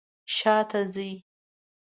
شاته ځئ